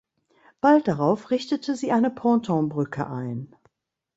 Bald darauf richtete sie eine Pontonbrücke ein.